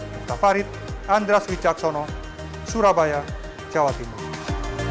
duta farid andras wijaksono surabaya jawa timur